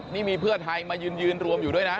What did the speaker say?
นี่มีเพื่อไทยมายืนรวมอยู่ด้วยนะ